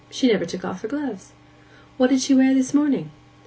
She never took off her gloves.' 'What did she wear this morning?